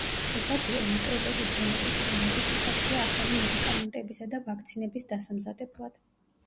შესაძლოა მიკრობების გენეტიკური მოდიფიკაცია ახალი მედიკამენტებისა და ვაქცინების დასამზადებლად.